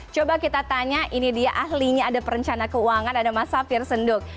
coba kita tanya ini dia ahlinya ada perencana keuangan ada mas safir senduk